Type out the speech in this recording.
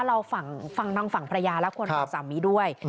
เราฟังทางฝั่งภรรยาและคนฝั่งสามีด้วย